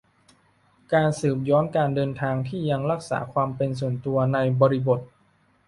การสืบย้อนการเดินทางที่ยังรักษาความเป็นส่วนตัว ในบริบท